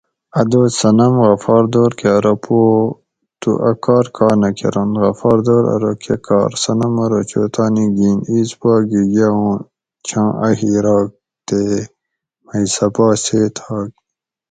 اۤ دوس صنم غفار دور کہ ارو پو تو اۤ کار کا نہ کرنت؟ غفار دور ارو کہ کار؟ صنم ارو چو تانی گین ایس پا گی یہ اُوں چھاں اۤ ھیر ھوگ تے مئ سہ پا سیت ھوگ